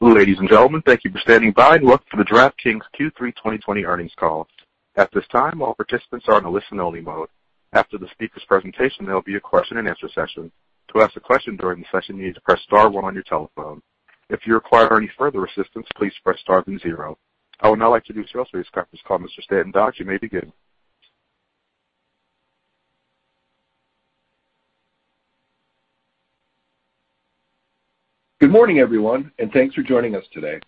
Ladies and gentlemen, thank you for standing by and welcome to the DraftKings Q3 2020 earnings call. At this time, all participants are in a listen-only mode. After the speaker's presentation, there'll be a question-and-answer session. To ask a question during the session, you need to press star one on your telephone. If you require any further assistance, please press star then zero. I would now like to introduce DraftKings conference call. Mr. Stanton Dodge, you may begin. Good morning, everyone, and thanks for joining us today.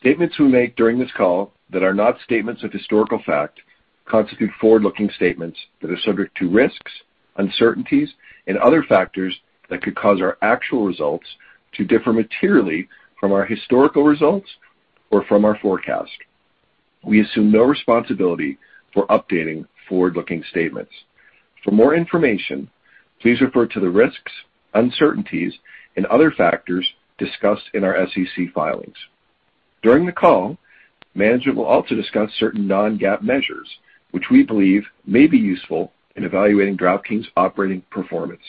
Statements we make during this call that are not statements of historical fact constitute forward-looking statements that are subject to risks, uncertainties, and other factors that could cause our actual results to differ materially from our historical results or from our forecast. We assume no responsibility for updating forward-looking statements. For more information, please refer to the risks, uncertainties, and other factors discussed in our SEC filings. During the call, management will also discuss certain non-GAAP measures, which we believe may be useful in evaluating DraftKings' operating performance.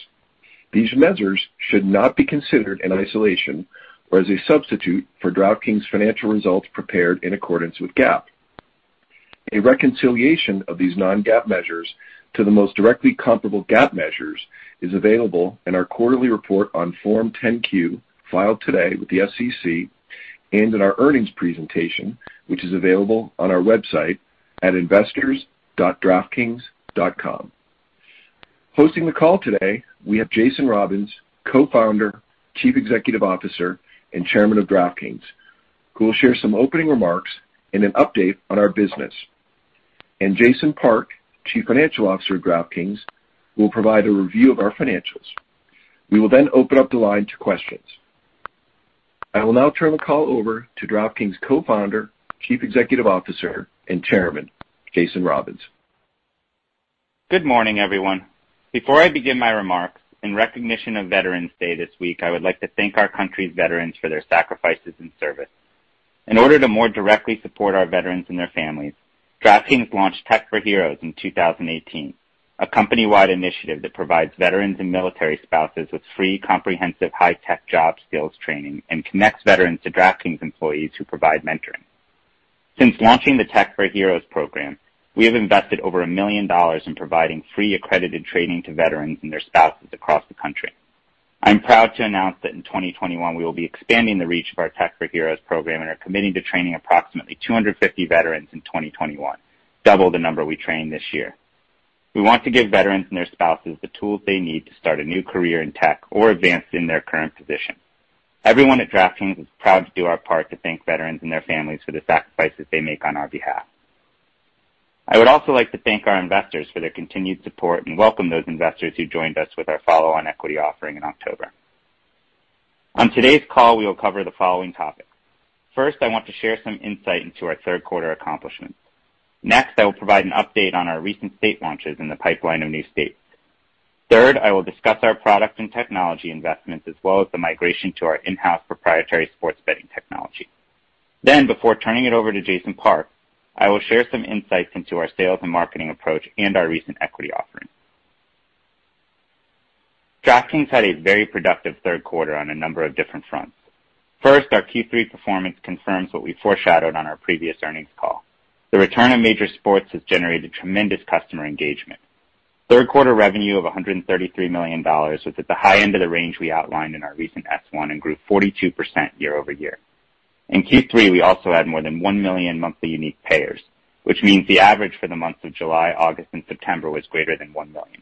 These measures should not be considered in isolation or as a substitute for DraftKings' financial results prepared in accordance with GAAP. A reconciliation of these non-GAAP measures to the most directly comparable GAAP measures is available in our quarterly report on Form 10-Q filed today with the SEC and in our earnings presentation, which is available on our website at investors.draftkings.com. Hosting the call today, we have Jason Robins, Co-founder, Chief Executive Officer, and Chairman of DraftKings, who will share some opening remarks and an update on our business. Jason Park, Chief Financial Officer of DraftKings, will provide a review of our financials. We will then open up the line to questions. I will now turn the call over to DraftKings' Co-founder, Chief Executive Officer, and Chairman, Jason Robins. Good morning, everyone. Before I begin my remarks, in recognition of Veterans Day this week, I would like to thank our country's veterans for their sacrifices and service. In order to more directly support our veterans and their families, DraftKings launched Tech for Heroes in 2018, a company-wide initiative that provides veterans and military spouses with free comprehensive high-tech job skills training and connects veterans to DraftKings employees who provide mentoring. Since launching the Tech for Heroes program, we have invested over $1 million in providing free accredited training to veterans and their spouses across the country. I'm proud to announce that in 2021 we will be expanding the reach of our Tech for Heroes program and are committing to training approximately 250 veterans in 2021, double the number we trained this year. We want to give veterans and their spouses the tools they need to start a new career in tech or advance in their current position. Everyone at DraftKings is proud to do our part to thank veterans and their families for the sacrifices they make on our behalf. I would also like to thank our investors for their continued support and welcome those investors who joined us with our follow-on equity offering in October. On today's call, we will cover the following topics. First, I want to share some insight into our third quarter accomplishments. Next, I will provide an update on our recent state launches and the pipeline of new states. Third, I will discuss our product and technology investments as well as the migration to our in-house proprietary sports betting technology. Before turning it over to Jason Park, I will share some insights into our sales and marketing approach and our recent equity offering. DraftKings had a very productive third quarter on a number of different fronts. Our Q3 performance confirms what we foreshadowed on our previous earnings call. The return of major sports has generated tremendous customer engagement. Third quarter revenue of $133 million was at the high end of the range we outlined in our recent S-1 and grew 42% year-over-year. In Q3, we also had more than 1 million monthly unique payers, which means the average for the months of July, August, and September was greater than 1 million.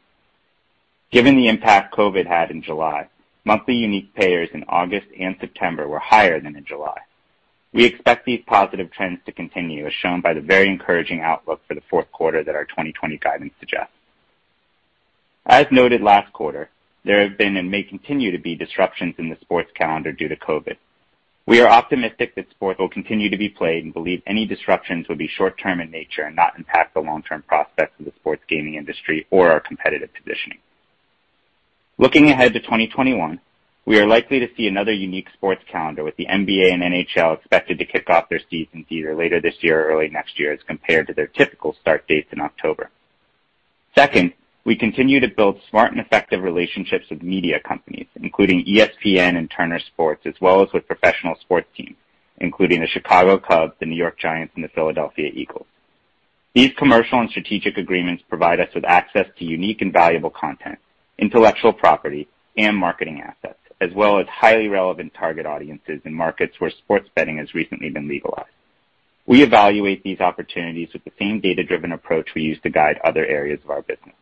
Given the impact COVID had in July, monthly unique payers in August and September were higher than in July. We expect these positive trends to continue, as shown by the very encouraging outlook for the fourth quarter that our 2020 guidance suggests. As noted last quarter, there have been and may continue to be disruptions in the sports calendar due to COVID. We are optimistic that sport will continue to be played and believe any disruptions will be short-term in nature and not impact the long-term prospects of the sports gaming industry or our competitive positioning. Looking ahead to 2021, we are likely to see another unique sports calendar with the NBA and NHL expected to kick off their seasons either later this year or early next year as compared to their typical start dates in October. Second, we continue to build smart and effective relationships with media companies, including ESPN and Turner Sports, as well as with professional sports teams, including the Chicago Cubs, the New York Giants, and the Philadelphia Eagles. These commercial and strategic agreements provide us with access to unique and valuable content, intellectual property, and marketing assets, as well as highly relevant target audiences in markets where sports betting has recently been legalized. We evaluate these opportunities with the same data-driven approach we use to guide other areas of our business.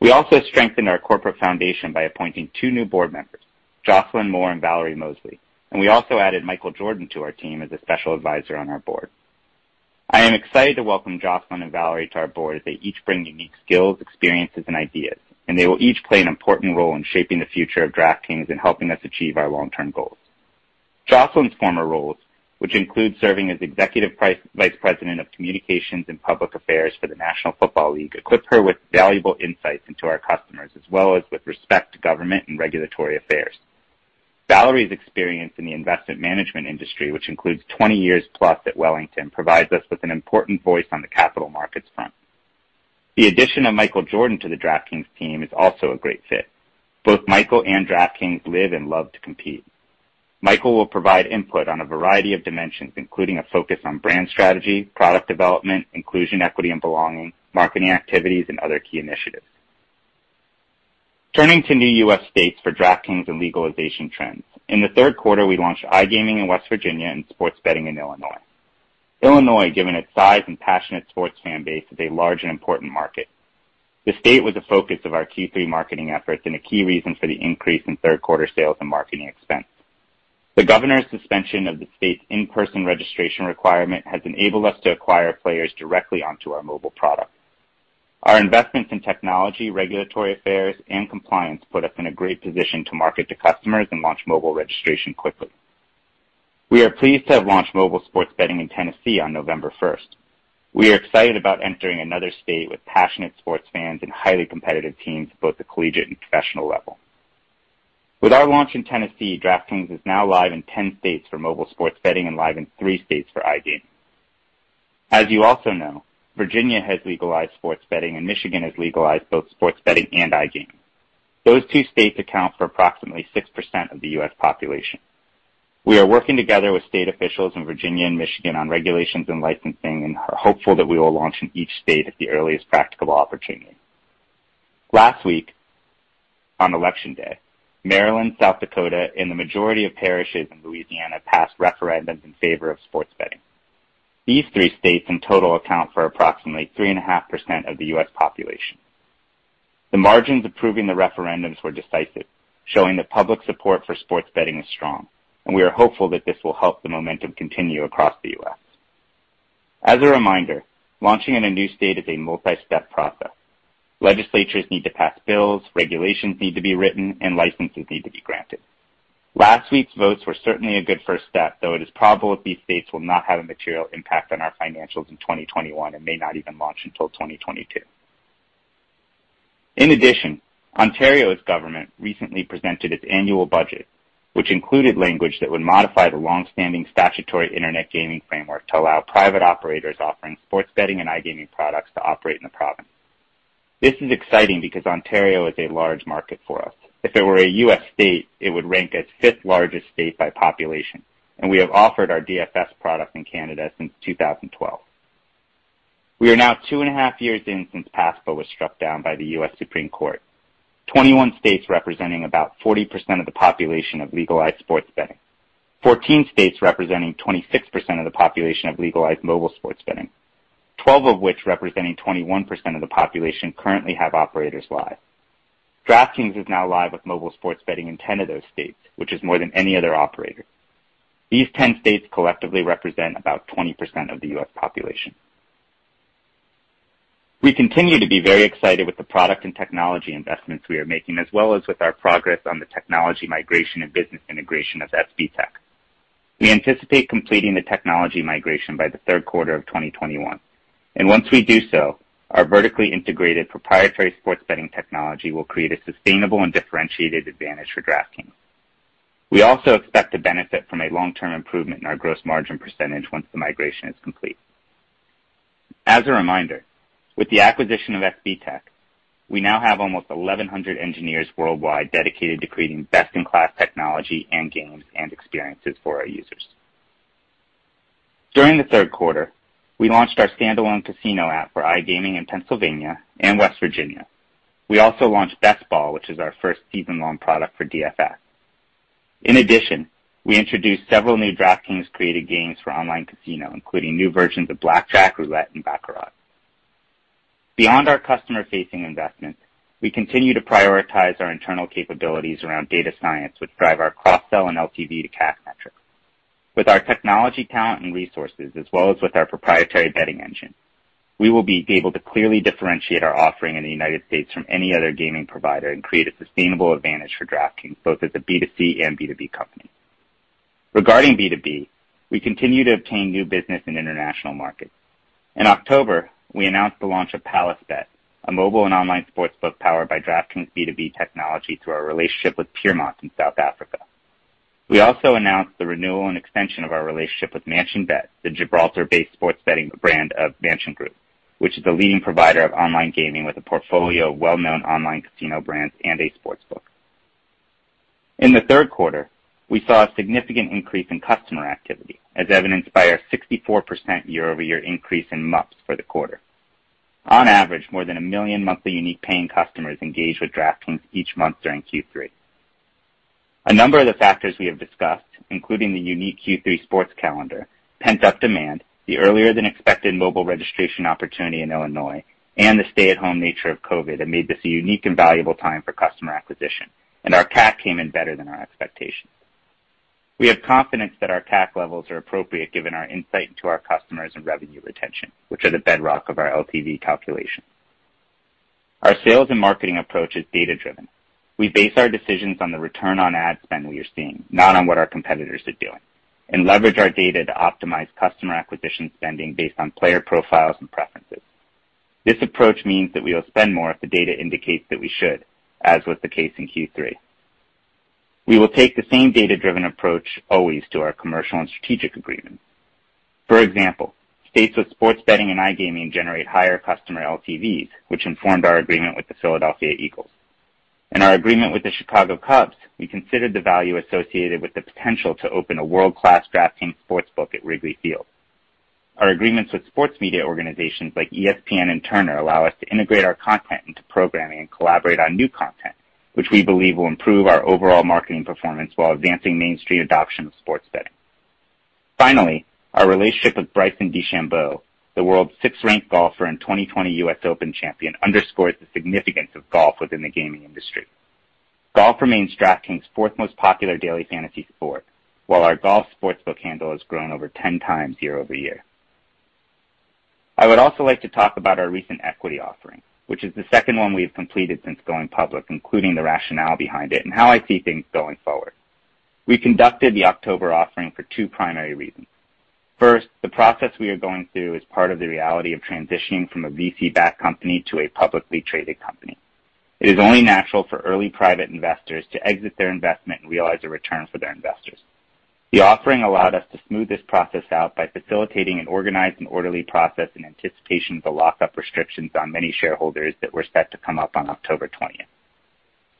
We also strengthened our corporate foundation by appointing two new board members, Jocelyn Moore and Valerie Mosley, and we also added Michael Jordan to our team as a special advisor on our board. I am excited to welcome Jocelyn and Valerie to our board as they each bring unique skills, experiences, and ideas, and they will each play an important role in shaping the future of DraftKings and helping us achieve our long-term goals. Jocelyn's former roles, which include serving as Executive Vice President of Communications and Public Affairs for the National Football League, equip her with valuable insights into our customers, as well as with respect to government and regulatory affairs. Valerie's experience in the investment management industry, which includes 20 years plus at Wellington, provides us with an important voice on the capital markets front. The addition of Michael Jordan to the DraftKings team is also a great fit. Both Michael and DraftKings live and love to compete. Michael will provide input on a variety of dimensions, including a focus on brand strategy, product development, inclusion, equity and belonging, marketing activities, and other key initiatives. Turning to new U.S. states for DraftKings and legalization trends. In the third quarter, we launched iGaming in West Virginia and sports betting in Illinois. Illinois, given its size and passionate sports fan base, is a large and important market. The state was a focus of our Q3 marketing efforts and a key reason for the increase in third quarter sales and marketing expense. The governor's suspension of the state's in-person registration requirement has enabled us to acquire players directly onto our mobile product. Our investments in technology, regulatory affairs, and compliance put us in a great position to market to customers and launch mobile registration quickly. We are pleased to have launched mobile sports betting in Tennessee on November first. We are excited about entering another state with passionate sports fans and highly competitive teams at both the collegiate and professional level. With our launch in Tennessee, DraftKings is now live in 10 states for mobile sports betting and live in three states for iGaming. You also know, Virginia has legalized sports betting and Michigan has legalized both sports betting and iGaming. Those two states account for approximately six percent of the U.S. population. We are working together with state officials in Virginia and Michigan on regulations and licensing and are hopeful that we will launch in each state at the earliest practical opportunity. Last week, on election day, Maryland, South Dakota, and the majority of parishes in Louisiana passed referendums in favor of sports betting. These three states in total account for approximately three and a half percent of the U.S. population. The margins approving the referendums were decisive, showing that public support for sports betting is strong, and we are hopeful that this will help the momentum continue across the U.S. As a reminder, launching in a new state is a multi-step process. Legislatures need to pass bills, regulations need to be written, and licenses need to be granted. Last week's votes were certainly a good first step, though it is probable that these states will not have a material impact on our financials in 2021 and may not even launch until 2022. In addition, Ontario's government recently presented its annual budget, which included language that would modify the long-standing statutory internet gaming framework to allow private operators offering sports betting and iGaming products to operate in the province. This is exciting because Ontario is a large market for us. If it were a U.S. state, it would rank as fifth largest state by population, and we have offered our DFS product in Canada since 2012. We are now two and a half years in since PASPA was struck down by the U.S. Supreme Court. 21 states representing about 40% of the population have legalized sports betting. 14 states representing 26% of the population have legalized mobile sports betting, 12 of which representing 21% of the population currently have operators live. DraftKings is now live with mobile sports betting in 10 of those states, which is more than any other operator. These 10 states collectively represent about 20% of the U.S. population. We continue to be very excited with the product and technology investments we are making, as well as with our progress on the technology migration and business integration of SBTech. We anticipate completing the technology migration by the third quarter of 2021. Once we do so, our vertically integrated proprietary sports betting technology will create a sustainable and differentiated advantage for DraftKings. We also expect to benefit from a long-term improvement in our gross margin percent once the migration is complete. As a reminder, with the acquisition of SBTech, we now have almost 1,100 engineers worldwide dedicated to creating best-in-class technology and games and experiences for our users. During the third quarter, we launched our standalone casino app for iGaming in Pennsylvania and West Virginia. We also launched Best Ball, which is our first season-long product for DFS. In addition, we introduced several new DraftKings-created games for online casino, including new versions of blackjack, roulette, and baccarat. Beyond our customer-facing investments, we continue to prioritize our internal capabilities around data science which drive our cross-sell and LTV to CAC metrics. With our technology talent and resources as well as with our proprietary betting engine, we will be able to clearly differentiate our offering in the U.S. from any other gaming provider and create a sustainable advantage for DraftKings, both as a B2C and B2B company. Regarding B2B, we continue to obtain new business in international markets. In October, we announced the launch of PalaceBet, a mobile and online sportsbook powered by DraftKings B2B technology through our relationship with Peermont in South Africa. We also announced the renewal and extension of our relationship with MansionBet, the Gibraltar-based sports betting brand of Mansion Group, which is a leading provider of online gaming with a portfolio of well-known online casino brands and a sportsbook. In the third quarter, we saw a significant increase in customer activity, as evidenced by our 64% year-over-year increase in MUPs for the quarter. On average, more than 1 million monthly unique paying customers engage with DraftKings each month during Q3. A number of the factors we have discussed, including the unique Q3 sports calendar, pent-up demand, the earlier than expected mobile registration opportunity in Illinois, and the stay-at-home nature of COVID have made this a unique and valuable time for customer acquisition, and our CAC came in better than our expectations. We have confidence that our CAC levels are appropriate given our insight into our customers and revenue retention, which are the bedrock of our LTV calculations. Our sales and marketing approach is data-driven. We base our decisions on the return on ad spend we are seeing, not on what our competitors are doing, and leverage our data to optimize customer acquisition spending based on player profiles and preferences. This approach means that we will spend more if the data indicates that we should, as was the case in Q3. We will take the same data-driven approach always to our commercial and strategic agreements. For example, states with sports betting and iGaming generate higher customer LTVs, which informed our agreement with the Philadelphia Eagles. In our agreement with the Chicago Cubs, we considered the value associated with the potential to open a world-class DraftKings Sportsbook at Wrigley Field. Our agreements with sports media organizations like ESPN and Turner allow us to integrate our content into programming and collaborate on new content, which we believe will improve our overall marketing performance while advancing mainstream adoption of sports betting. Finally, our relationship with Bryson DeChambeau, the world's sixth-ranked golfer and 2020 U.S. Open champion, underscores the significance of golf within the gaming industry. Golf remains DraftKings' fourth most popular daily fantasy sport, while our golf Sportsbook handle has grown over 10 times year-over-year. I would also like to talk about our recent equity offering, which is the second one we have completed since going public, including the rationale behind it and how I see things going forward. We conducted the October offering for two primary reasons. First, the process we are going through is part of the reality of transitioning from a VC-backed company to a publicly traded company. It is only natural for early private investors to exit their investment and realize a return for their investors. The offering allowed us to smooth this process out by facilitating an organized and orderly process in anticipation of the lockup restrictions on many shareholders that were set to come up on October 20.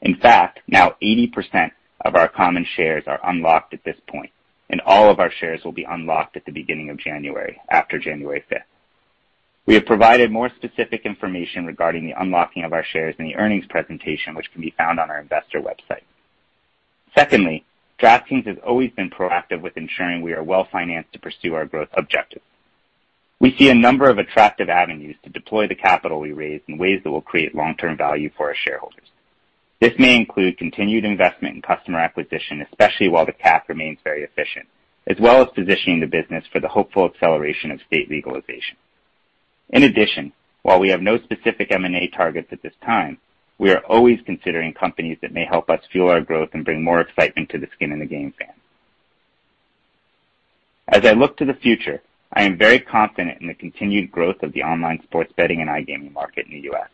In fact, now 80% of our common shares are unlocked at this point, and all of our shares will be unlocked at the beginning of January, after January fifth. We have provided more specific information regarding the unlocking of our shares in the earnings presentation, which can be found on our investor website. Secondly, DraftKings has always been proactive with ensuring we are well-financed to pursue our growth objectives. We see a number of attractive avenues to deploy the capital we raise in ways that will create long-term value for our shareholders. This may include continued investment in customer acquisition, especially while the CAC remains very efficient, as well as positioning the business for the hopeful acceleration of state legalization. In addition, while we have no specific M&A targets at this time, we are always considering companies that may help us fuel our growth and bring more excitement to the skin in the game [plan]. As I look to the future, I am very confident in the continued growth of the online sports betting and iGaming market in the U.S.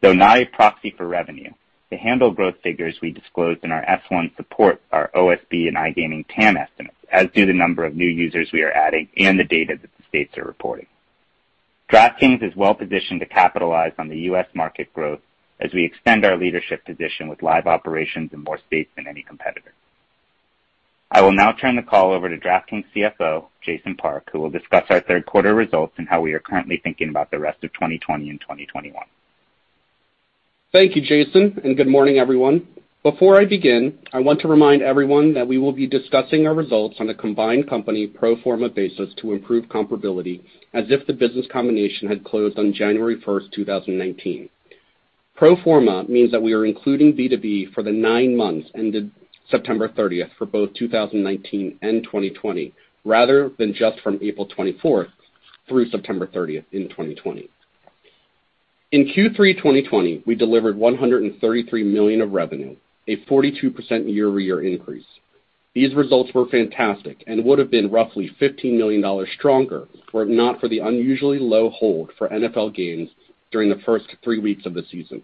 Though not a proxy for revenue, the handle growth figures we disclosed in our S-1 support our OSB and iGaming TAM estimates, as do the number of new users we are adding and the data that the states are reporting. DraftKings is well-positioned to capitalize on the U.S. market growth as we extend our leadership position with live operations in more states than any competitor. I will now turn the call over to DraftKings CFO, Jason Park, who will discuss our third quarter results and how we are currently thinking about the rest of 2020 and 2021. Thank you, Jason, and good morning, everyone. Before I begin, I want to remind everyone that we will be discussing our results on a combined company pro forma basis to improve comparability as if the business combination had closed on January first, 2019. Pro forma means that we are including B2B for the nine months ended September 30th, for both 2019 and 2020, rather than just from April 24th, through September 30 in 2020. In Q3 2020, we delivered $133 million of revenue, a 42% year-over-year increase. These results were fantastic and would have been roughly $15 million stronger were it not for the unusually low hold for NFL games during the first three weeks of the season.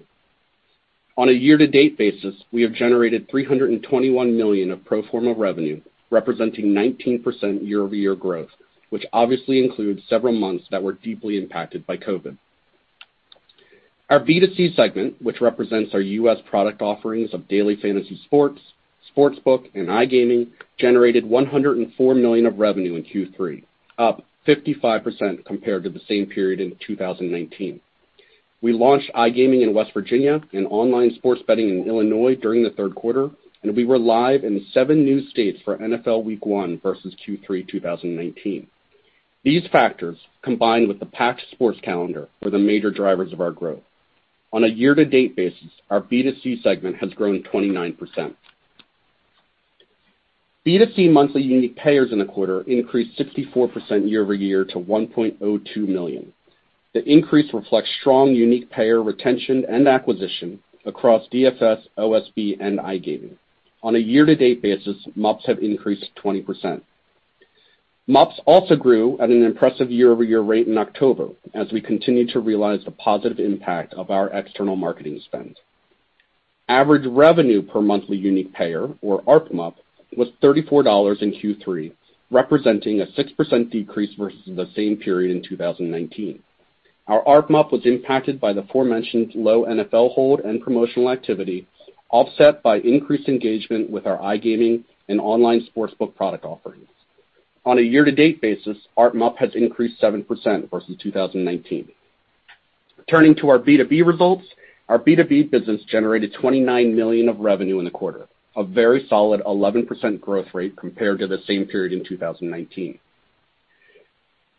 On a year-to-date basis, we have generated $321 million of pro forma revenue, representing 19% year-over-year growth, which obviously includes several months that were deeply impacted by COVID. Our B2C segment, which represents our U.S. product offerings of daily fantasy sports, Sportsbook, and iGaming, generated $104 million of revenue in Q3, up 55% compared to the same period in 2019. We launched iGaming in West Virginia and online sports betting in Illinois during the third quarter, and we were live in seven new states for NFL week one versus Q3 2019. These factors, combined with the packed sports calendar, were the major drivers of our growth. On a year-to-date basis, our B2C segment has grown 29%. B2C monthly unique payers in the quarter increased 64% year-over-year to 1.02 million. The increase reflects strong unique payer retention and acquisition across DFS, OSB, and iGaming. On a year-to-date basis, MUPs have increased 20%. MUPs also grew at an impressive year-over-year rate in October as we continued to realize the positive impact of our external marketing spend. Average revenue per monthly unique payer, or ARPMUP, was $34 in Q3, representing a six percent decrease versus the same period in 2019. Our ARPMUP was impacted by the aforementioned low NFL hold and promotional activity, offset by increased engagement with our iGaming and online Sportsbook product offerings. On a year-to-date basis, ARPMUP has increased seven percent versus 2019. Turning to our B2B results, our B2B business generated $29 million of revenue in the quarter, a very solid 11% growth rate compared to the same period in 2019.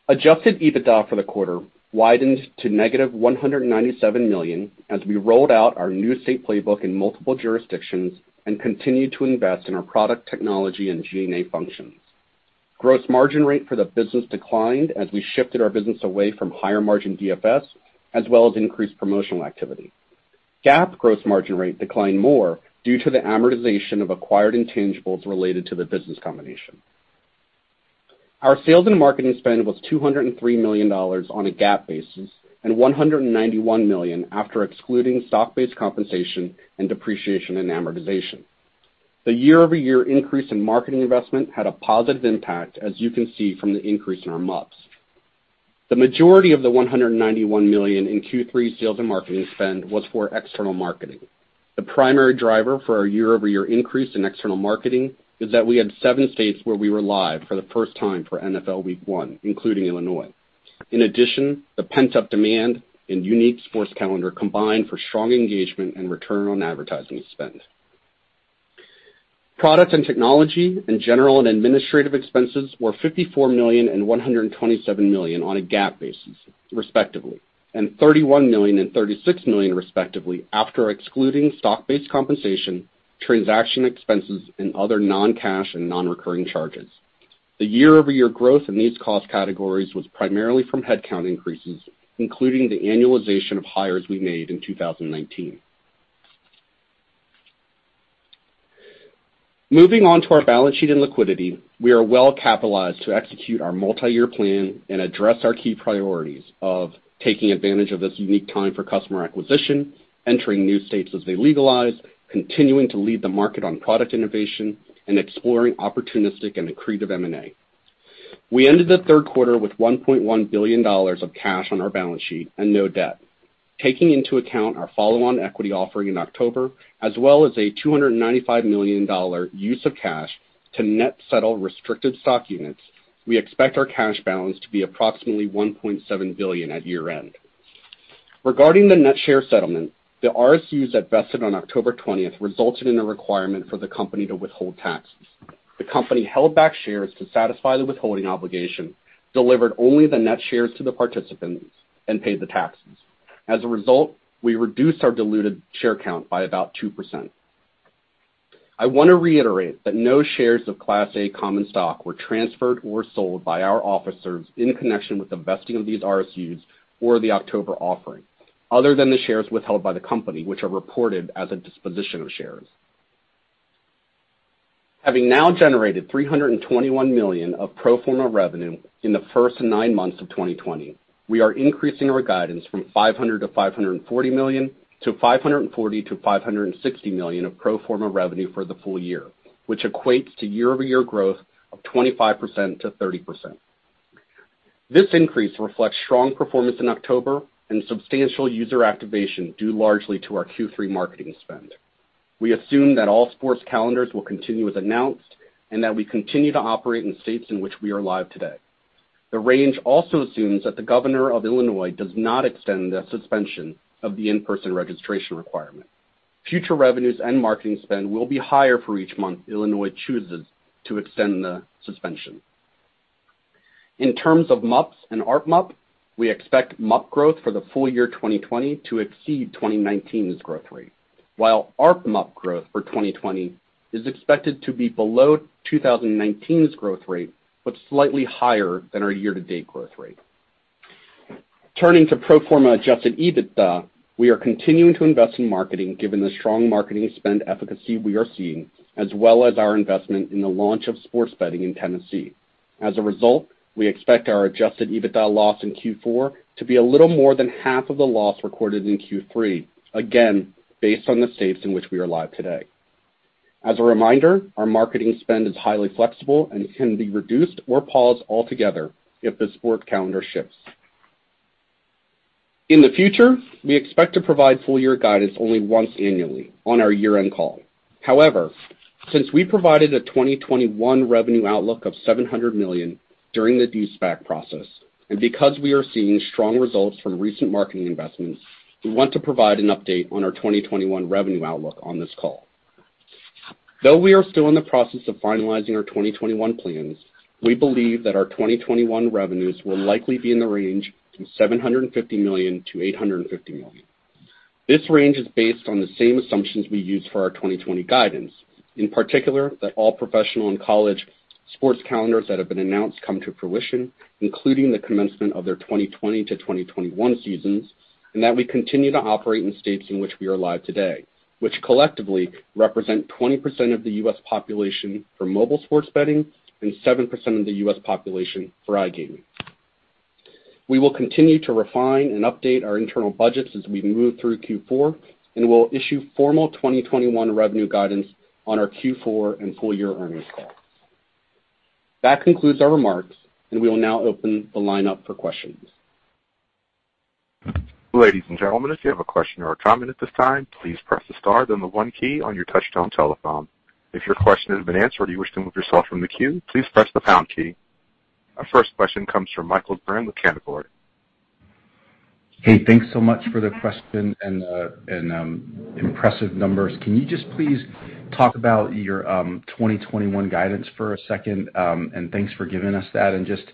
Adjusted EBITDA for the quarter widened to negative $197 million as we rolled out our new state playbook in multiple jurisdictions and continued to invest in our product technology and G&A functions. Gross margin rate for the business declined as we shifted our business away from higher-margin DFS as well as increased promotional activity. GAAP gross margin rate declined more due to the amortization of acquired intangibles related to the business combination. Our sales and marketing spend was $203 million on a GAAP basis and $191 million after excluding stock-based compensation and depreciation and amortization. The year-over-year increase in marketing investment had a positive impact, as you can see from the increase in our MUPs. The majority of the $191 million in Q3 sales and marketing spend was for external marketing. The primary driver for our year-over-year increase in external marketing is that we had seven states where we were live for the first time for NFL week one, including Illinois. In addition, the pent-up demand and unique sports calendar combined for strong engagement and return on advertising spend. Product and technology and general and administrative expenses were $54 million and $127 million on a GAAP basis respectively, and $31 million and $36 million respectively after excluding stock-based compensation, transaction expenses, and other non-cash and non-recurring charges. The year-over-year growth in these cost categories was primarily from headcount increases, including the annualization of hires we made in 2019. Moving on to our balance sheet and liquidity, we are well-capitalized to execute our multi-year plan and address our key priorities of taking advantage of this unique time for customer acquisition, entering new states as they legalize, continuing to lead the market on product innovation, and exploring opportunistic and accretive M&A. We ended the third quarter with $1.1 billion of cash on our balance sheet and no debt. Taking into account our follow-on equity offering in October, as well as a $295 million use of cash to net settle restricted stock units, we expect our cash balance to be approximately $1.7 billion at year-end. Regarding the net share settlement, the RSUs that vested on October 20th resulted in a requirement for the company to withhold taxes. The company held back shares to satisfy the withholding obligation, delivered only the net shares to the participants, and paid the taxes. As a result, we reduced our diluted share count by about 2%. I wanna reiterate that no shares of Class A common stock were transferred or sold by our officers in connection with the vesting of these RSUs or the October offering, other than the shares withheld by the company, which are reported as a disposition of shares. Having now generated $321 million of pro forma revenue in the first nine months of 2020, we are increasing our guidance from $500 million-$540 million to $540 million-$560 million of pro forma revenue for the full year, which equates to year-over-year growth of 25% to 30%. This increase reflects strong performance in October and substantial user activation due largely to our Q3 marketing spend. We assume that all sports calendars will continue as announced and that we continue to operate in states in which we are live today. The range also assumes that the Governor of Illinois does not extend the suspension of the in-person registration requirement. Future revenues and marketing spend will be higher for each month Illinois chooses to extend the suspension. In terms of MUPs and ARPMUP, we expect MUP growth for the full year 2020 to exceed 2019's growth rate, while ARPMUP growth for 2020 is expected to be below 2019's growth rate, but slightly higher than our year-to-date growth rate. Turning to pro forma Adjusted EBITDA, we are continuing to invest in marketing given the strong marketing spend efficacy we are seeing, as well as our investment in the launch of sports betting in Tennessee. As a result, we expect our Adjusted EBITDA loss in Q4 to be a little more than half of the loss recorded in Q3, again, based on the states in which we are live today. As a reminder, our marketing spend is highly flexible and can be reduced or paused altogether if the sport calendar shifts. In the future, we expect to provide full year guidance only once annually on our year-end call. However, since we provided a 2021 revenue outlook of $700 million during the de-SPAC process, and because we are seeing strong results from recent marketing investments, we want to provide an update on our 2021 revenue outlook on this call. Though we are still in the process of finalizing our 2021 plans, we believe that our 2021 revenues will likely be in the range from $750 million-$850 million. This range is based on the same assumptions we used for our 2020 guidance, in particular, that all professional and college sports calendars that have been announced come to fruition, including the commencement of their 2020 to 2021 seasons, and that we continue to operate in states in which we are live today, which collectively represent 20% of the U.S. population for mobile sports betting and seven percent of the U.S. population for iGaming. We will continue to refine and update our internal budgets as we move through Q4, and we'll issue formal 2021 revenue guidance on our Q4 and full year earnings call. That concludes our remarks, and we will now open the lineup for questions. Our first question comes from Michael Graham with Canaccord Genuity. Hey, thanks so much for the question and impressive numbers. Can you just please talk about your 2021 guidance for a second? Thanks for giving us that. Just,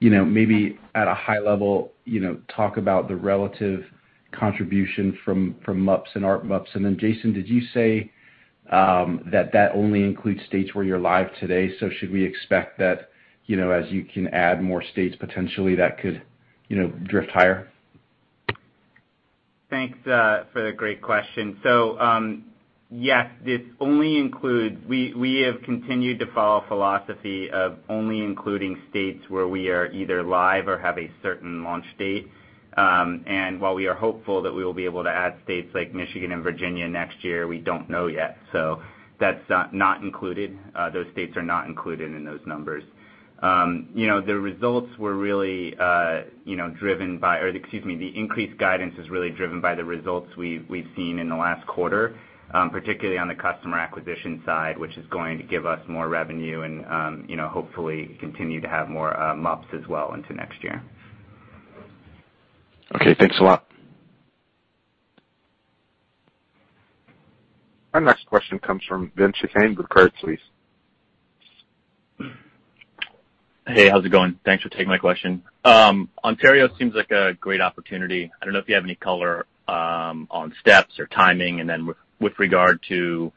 you know, maybe at a high level, you know, talk about the relative contribution from MUPs and ARPMUPs. Jason, did you say that only includes states where you're live today? Should we expect that, you know, as you can add more states potentially that could, you know, drift higher? Thanks, for the great question. Yes, this only includes. We have continued to follow a philosophy of only including states where we are either live or have a certain launch date. While we are hopeful that we will be able to add states like Michigan and Virginia next year, we don't know yet. That's not included. Those states are not included in those numbers. You know, the results were really, you know, driven by excuse me, the increased guidance is really driven by the results we've seen in the last quarter, particularly on the customer acquisition side, which is going to give us more revenue and, you know, hopefully continue to have more, MUPs as well into next year. Okay, thanks a lot. Our next question comes from Vince Johan with Credit Suisse. Hey, how's it going? Thanks for taking my question. Ontario seems like a great opportunity. I don't know if you have any color on steps or timing. With regard to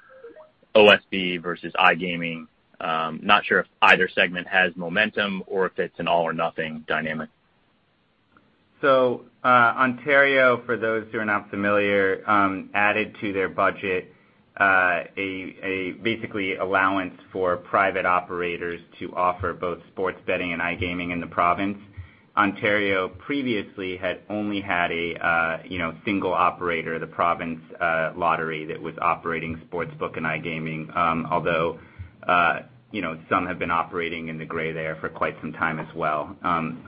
OSB versus iGaming, not sure if either segment has momentum or if it's an all or nothing dynamic. Ontario, for those who are not familiar, added to their budget, a basically allowance for private operators to offer both sports betting and iGaming in the province. Ontario previously had only had a, you know, single operator, the province, lottery, that was operating sportsbook and iGaming. Although, you know, some have been operating in the gray there for quite some time as well.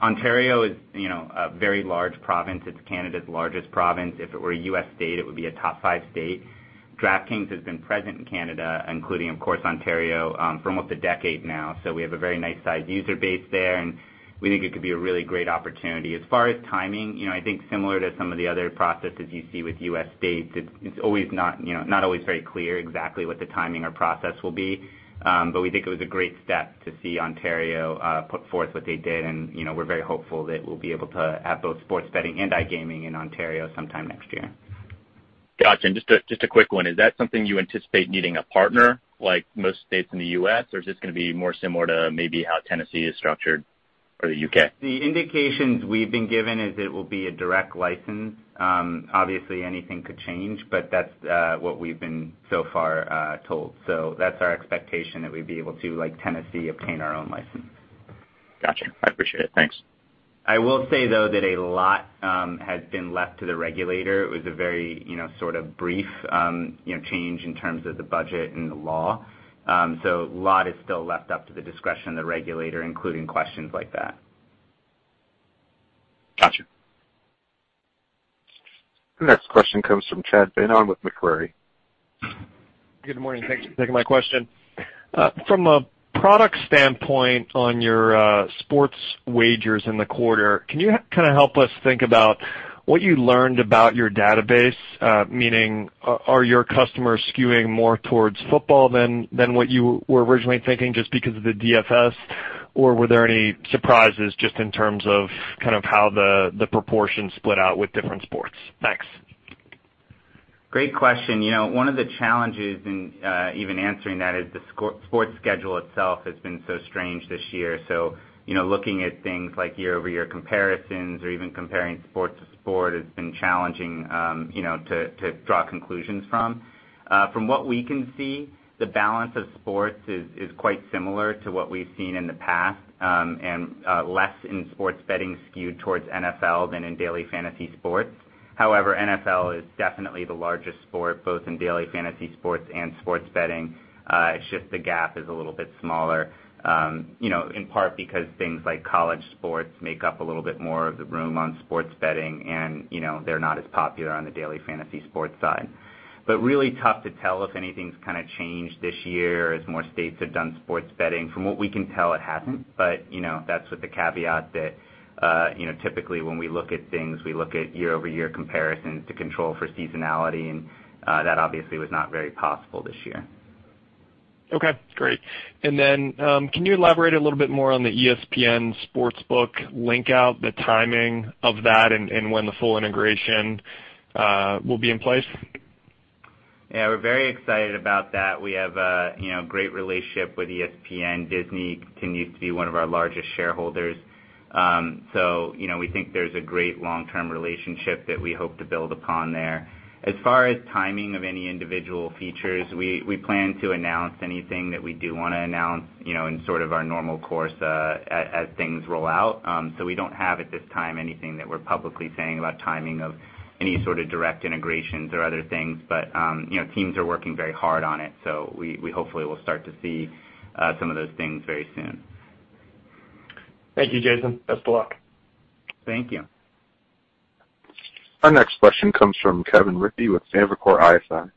Ontario is, you know, a very large province. It's Canada's largest province. If it were a U.S. state, it would be a top five state. DraftKings has been present in Canada, including, of course, Ontario, for almost a decade now. We have a very nice size user base there, and we think it could be a really great opportunity. As far as timing, you know, I think similar to some of the other processes you see with U.S. states, it's always not, you know, not always very clear exactly what the timing or process will be. We think it was a great step to see Ontario put forth what they did, and, you know, we're very hopeful that we'll be able to have both sports betting and iGaming in Ontario sometime next year. Gotcha. Just a quick one, is that something you anticipate needing a partner like most states in the U.S., or is this gonna be more similar to maybe how Tennessee is structured or the U.K.? The indications we've been given is it will be a direct license. Obviously anything could change, but that's what we've been so far told. That's our expectation that we'd be able to, like Tennessee, obtain our own license. Gotcha. I appreciate it. Thanks. I will say, though, that a lot has been left to the regulator. It was a very, you know, sort of brief, you know, change in terms of the budget and the law. A lot is still left up to the discretion of the regulator, including questions like that. Gotcha. The next question comes from Chad Beynon with Macquarie. Good morning. Thank you for taking my question. From a product standpoint on your sports wagers in the quarter, can you kind of help us think about what you learned about your database? Meaning are your customers skewing more towards football than what you were originally thinking just because of the DFS? Were there any surprises just in terms of kind of how the proportions split out with different sports? Thanks. Great question. You know, one of the challenges in even answering that is the sports schedule itself has been so strange this year. You know, looking at things like year-over-year comparisons or even comparing sport to sport has been challenging, you know, to draw conclusions from. From what we can see, the balance of sports is quite similar to what we've seen in the past, and less in sports betting skewed towards NFL than in daily fantasy sports. However, NFL is definitely the largest sport, both in daily fantasy sports and sports betting. It's just the gap is a little bit smaller, you know, in part because things like college sports make up a little bit more of the room on sports betting and, you know, they're not as popular on the daily fantasy sports side. Really tough to tell if anything's kind of changed this year as more states have done sports betting. From what we can tell, it hasn't. You know, that's with the caveat that, you know, typically when we look at things, we look at year-over-year comparisons to control for seasonality, and, that obviously was not very possible this year. Okay, great. Can you elaborate a little bit more on the ESPN sportsbook link out, the timing of that and when the full integration will be in place? Yeah, we're very excited about that. We have a, you know, great relationship with ESPN. Disney continues to be one of our largest shareholders. You know, we think there's a great long-term relationship that we hope to build upon there. As far as timing of any individual features, we plan to announce anything that we do wanna announce, you know, in sort of our normal course, as things roll out. We don't have at this time anything that we're publicly saying about timing of any sort of direct integrations or other things. You know, teams are working very hard on it, so we hopefully will start to see some of those things very soon. Thank you, Jason. Best of luck. Thank you. Our next question comes from Kevin Rippey with Evercore ISI.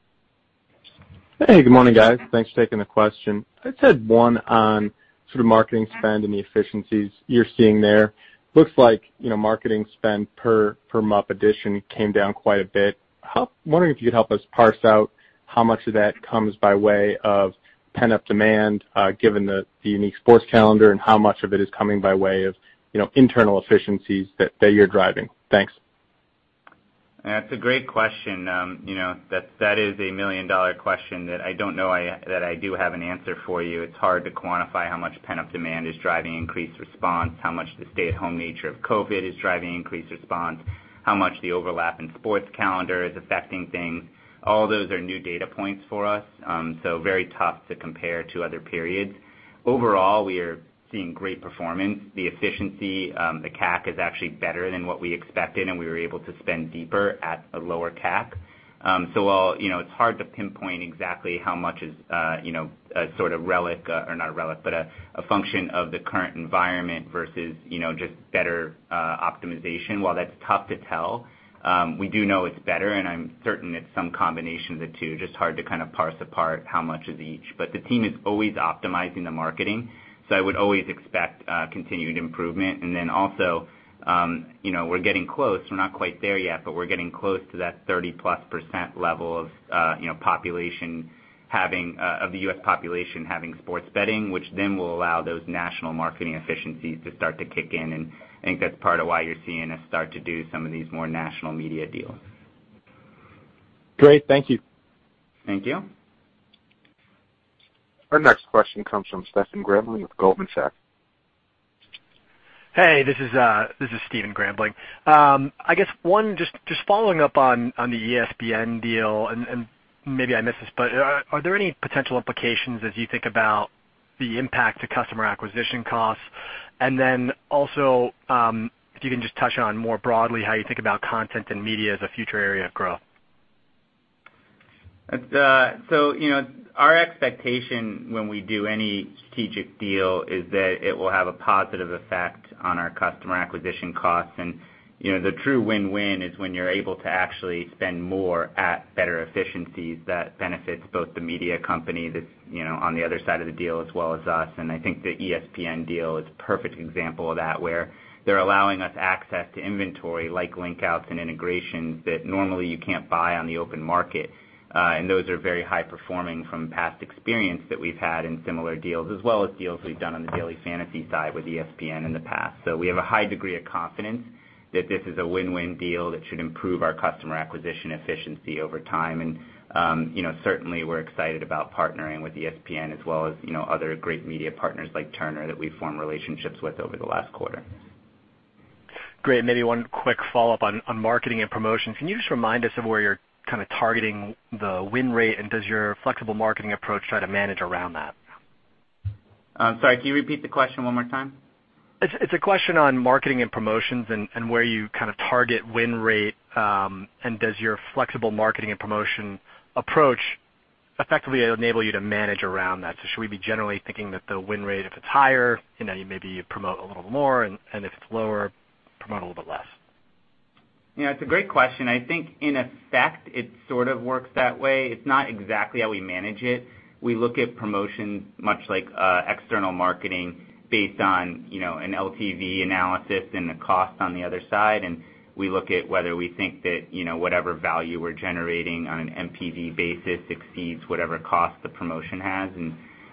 Hey, good morning, guys. Thanks for taking the question. I just had one on sort of marketing spend and the efficiencies you're seeing there. Looks like, you know, marketing spend per MUP addition came down quite a bit. Wondering if you could help us parse out how much of that comes by way of pent-up demand, given the unique sports calendar, and how much of it is coming by way of, you know, internal efficiencies that you're driving. Thanks. That's a great question. You know, that is a million-dollar question that I don't know that I do have an answer for you. It's hard to quantify how much pent-up demand is driving increased response, how much the stay-at-home nature of COVID is driving increased response, how much the overlap in sports calendar is affecting things. All those are new data points for us, so very tough to compare to other periods. Overall, we are seeing great performance. The efficiency, the CAC is actually better than what we expected, and we were able to spend deeper at a lower CAC. While, you know, it's hard to pinpoint exactly how much is a sort of relic, or not a relic, but a function of the current environment versus, you know, just better, optimization. While that's tough to tell, we do know it's better, and I'm certain it's some combination of the two. Just hard to kind of parse apart how much of each. The team is always optimizing the marketing, so I would always expect continued improvement. you know, we're getting close. We're not quite there yet, but we're getting close to that 30-plus% level of, you know, population having, of the U.S. population having sports betting, which then will allow those national marketing efficiencies to start to kick in. I think that's part of why you're seeing us start to do some of these more national media deals. Great. Thank you. Thank you. Our next question comes from Stephen Grambling with Goldman Sachs. Hey, this is Stephen Grambling. I guess one, just following up on the ESPN deal, and maybe I missed this, but are there any potential implications as you think about the impact to customer acquisition costs? Also, if you can just touch on more broadly how you think about content and media as a future area of growth. That's, you know, our expectation when we do any strategic deal is that it will have a positive effect on our customer acquisition costs. You know, the true win-win is when you're able to actually spend more at better efficiencies that benefits both the media company that's, you know, on the other side of the deal as well as us. I think the ESPN deal is a perfect example of that, where they're allowing us access to inventory like link-outs and integrations that normally you can't buy on the open market. Those are very high performing from past experience that we've had in similar deals, as well as deals we've done on the daily fantasy side with ESPN in the past. We have a high degree of confidence that this is a win-win deal that should improve our customer acquisition efficiency over time. you know, certainly we're excited about partnering with ESPN as well as, you know, other great media partners like Turner that we've formed relationships with over the last quarter. Great. Maybe one quick follow-up on marketing and promotion. Can you just remind us of where you're kind of targeting the win rate, and does your flexible marketing approach try to manage around that? Sorry, can you repeat the question one more time? It's a question on marketing and promotions and where you kind of target win rate, and does your flexible marketing and promotion approach effectively enable you to manage around that? Should we be generally thinking that the win rate, if it's higher, you know, you maybe promote a little more, and if it's lower, promote a little bit less? You know, it's a great question. I think in effect, it sort of works that way. It's not exactly how we manage it. We look at promotions much like external marketing based on, you know, an LTV analysis and the cost on the other side. We look at whether we think that, you know, whatever value we're generating on an NPV basis exceeds whatever cost the promotion has.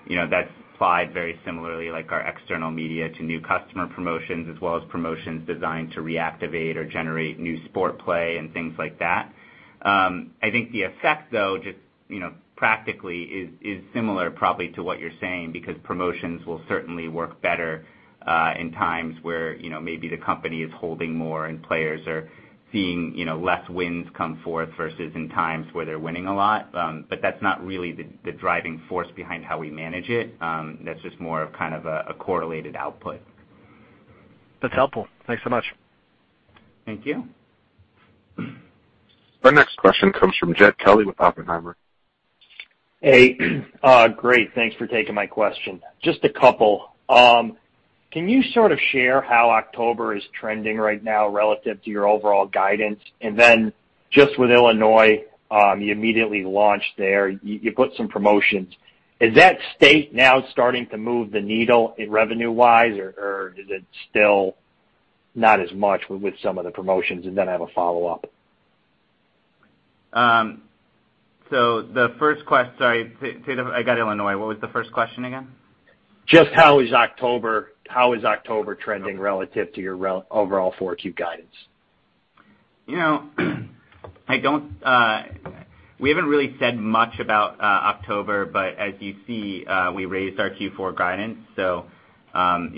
You know, that's applied very similarly like our external media to new customer promotions as well as promotions designed to reactivate or generate new sport play and things like that. I think the effect though, just, you know, practically is similar probably to what you're saying because promotions will certainly work better, in times where, you know, maybe the company is holding more and players are seeing, you know, less wins come forth versus in times where they're winning a lot. that's not really the driving force behind how we manage it. that's just more of kind of a correlated output. That's helpful. Thanks so much. Thank you. Our next question comes from Jed Kelly with Oppenheimer. Hey. Great. Thanks for taking my question. Just a couple. Can you sort of share how October is trending right now relative to your overall guidance? Just with Illinois, you immediately launched there. You put some promotions. Is that state now starting to move the needle revenue-wise, or is it still not as much with some of the promotions? I have a follow-up. I got Illinois. What was the first question again? Just how is October trending relative to your overall 4Q guidance? You know, We haven't really said much about October, but as you see, we raised our Q4 guidance. You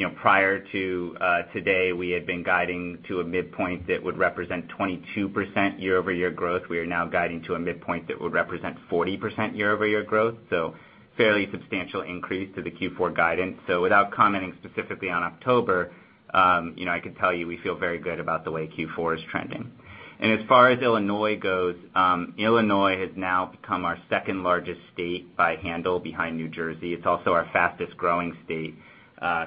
know, prior to today, we had been guiding to a midpoint that would represent 22% year-over-year growth. We are now guiding to a midpoint that would represent 40% year-over-year growth, so fairly substantial increase to the Q4 guidance. Without commenting specifically on October, you know, I can tell you we feel very good about the way Q4 is trending. As far as Illinois goes, Illinois has now become our second-largest state by handle behind New Jersey. It's also our fastest-growing state.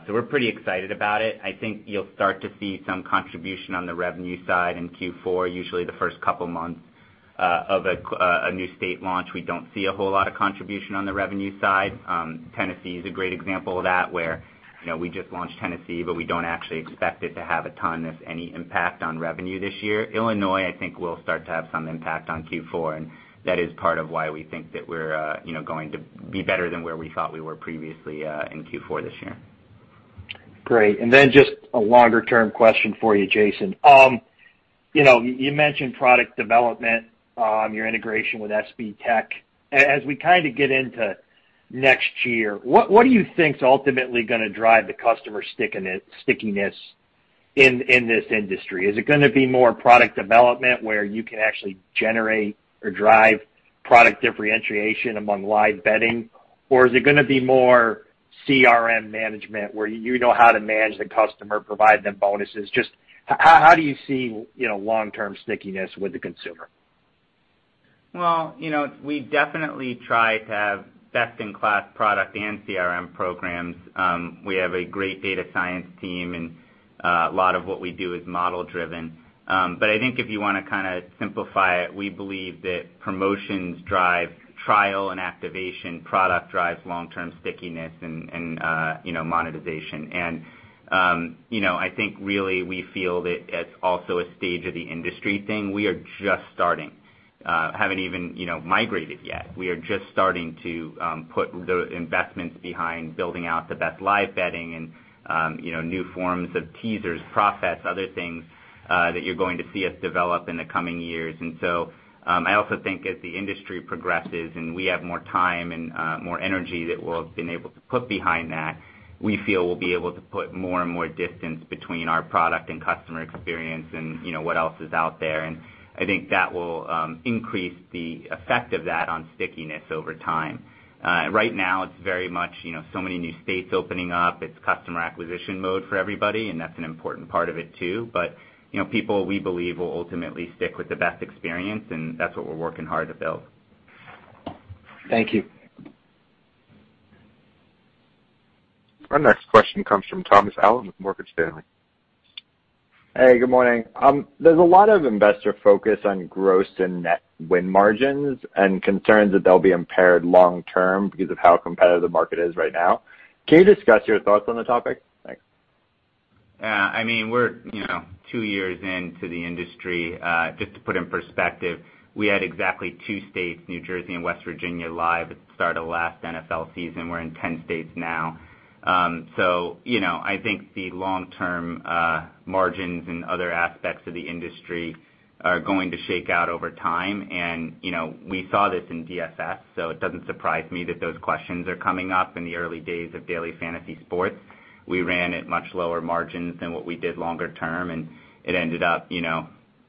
We're pretty excited about it. I think you'll start to see some contribution on the revenue side in Q4. Usually the first couple months of a new state launch, we don't see a whole lot of contribution on the revenue side. Tennessee is a great example of that, where, you know, we just launched Tennessee, but we don't actually expect it to have a ton, if any, impact on revenue this year. Illinois, I think, will start to have some impact on Q4, and that is part of why we think that we're, you know, going to be better than where we thought we were previously in Q4 this year. Great. Then just a longer-term question for you, Jason. You know, you mentioned product development, your integration with SBTech. As we kind of get into next year, what do you think's ultimately gonna drive the customer stickiness in this industry? Is it gonna be more product development where you can actually generate or drive product differentiation among live betting? Or is it gonna be more CRM management where you know how to manage the customer, provide them bonuses? Just how do you see, you know, long-term stickiness with the consumer? Well, you know, we definitely try to have best-in-class product and CRM programs. We have a great data science team and a lot of what we do is model-driven. I think if you wanna kinda simplify it, we believe that promotions drive trial and activation, product drives long-term stickiness and monetization. I think really we feel that it's also a stage of the industry thing. We are just starting. We haven't even, you know, migrated yet. We are just starting to put the investments behind building out the best live betting and, you know, new forms of teasers, prop bets, other things, that you're going to see us develop in the coming years. I also think as the industry progresses and we have more time and more energy that we'll have been able to put behind that, we feel we'll be able to put more and more distance between our product and customer experience and, you know, what else is out there. I think that will increase the effect of that on stickiness over time. Right now it's very much, you know, so many new states opening up, it's customer acquisition mode for everybody, and that's an important part of it too. you know, people, we believe, will ultimately stick with the best experience, and that's what we're working hard to build. Thank you. Our next question comes from Thomas Allen with Morgan Stanley. Hey, good morning. There's a lot of investor focus on gross and net win margins and concerns that they'll be impaired long term because of how competitive the market is right now. Can you discuss your thoughts on the topic? Thanks. Yeah, I mean, we're, you know, two years into the industry. Just to put in perspective, we had exactly two states, New Jersey and West Virginia, live at the start of last NFL season. We're in 10 states now. You know, I think the long-term margins and other aspects of the industry are going to shake out over time. You know, we saw this in DFS, so it doesn't surprise me that those questions are coming up in the early days of daily fantasy sports. We ran at much lower margins than what we did longer term, and it ended up, you know,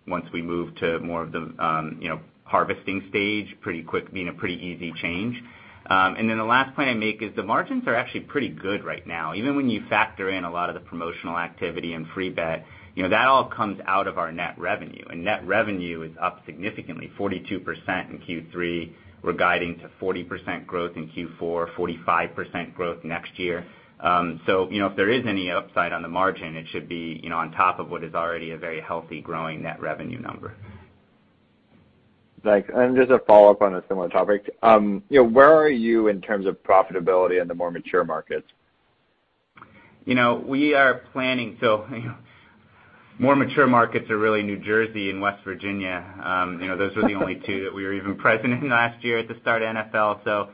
once we moved to more of the, you know, harvesting stage pretty quick, being a pretty easy change. Then the last point I'd make is the margins are actually pretty good right now. Even when you factor in a lot of the promotional activity and free bet, you know, that all comes out of our net revenue. Net revenue is up significantly, 42% in Q3. We're guiding to 40% growth in Q4, 45% growth next year. You know, if there is any upside on the margin, it should be, you know, on top of what is already a very healthy growing net revenue number. Thanks. Just a follow-up on a similar topic. You know, where are you in terms of profitability in the more mature markets? You know, we are planning. You know, more mature markets are really New Jersey and West Virginia. You know, those were the only two that we were even present in last year at the start of NFL.